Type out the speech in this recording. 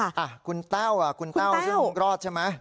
อ่ะคุณแต้วอ่ะคุณแต้วซึ่งรอดใช่ไหม